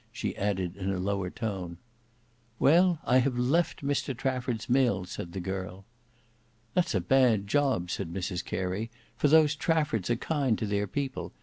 she added in a lower tone. "Well, I have left Mr Trafford's mill," said the girl. "That's a bad job," said Mrs Carey; "for those Traffords are kind to their people.